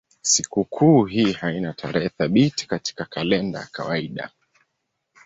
Sikukuu hii haina tarehe thabiti katika kalenda ya kawaida.